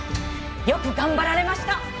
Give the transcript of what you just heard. よく頑張られました！